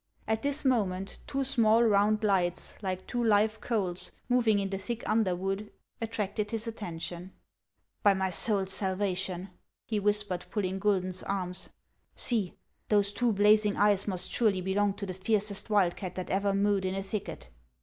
At this moment two small round lights, like two live coals, moving in the thick underwood, attracted his attention. " By my soul's salvation !" he whispered, pulling Gui don's arm, " see ; those two blazing eyes must surely be long to the fiercest wildcat that ever mewed in a thicket."